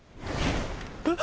えっ！？